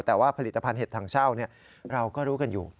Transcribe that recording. แต่ว่าผลิตภัณฑ์เห็ดถังเช่าเราก็รู้กันอยู่